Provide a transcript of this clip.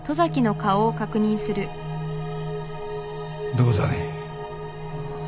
どうだね？